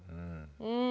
うん。